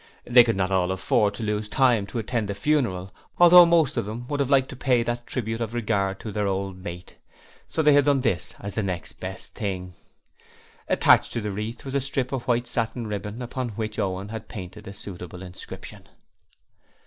They could not all afford to lose the time to attend the funeral, although most of them would have liked to pay that tribute of regard to their old mate, so they had done this as the next best thing. Attached to the wreath was a strip of white satin ribbon, upon which Owen had painted a suitable inscription.